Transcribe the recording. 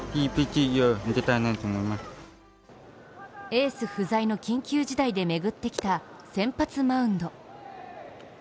エース不在の緊急事態で巡ってきた先発マウンド。